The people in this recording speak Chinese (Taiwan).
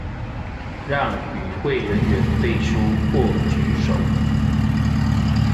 讓與會人員背書或舉手